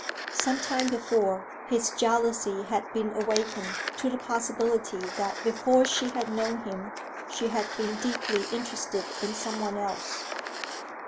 Some time before, his jealousy had been awakened to the possibility that before she had known him she had been deeply interested in some one else.